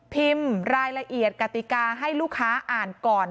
พิมพ์รายละเอียดกติกาให้ลูกค้าอ่านก่อน